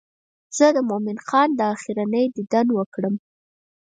زه د مومن خان دا آخرنی دیدن وکړم.